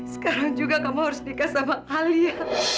sekarang juga kamu harus nikah sama alia